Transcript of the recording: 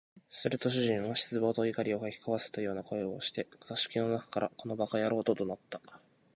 すると主人は失望と怒りを掻き交ぜたような声をして、座敷の中から「この馬鹿野郎」と怒鳴った